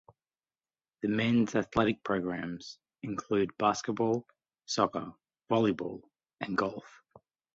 The men's athletic programs include basketball, soccer, volleyball and golf.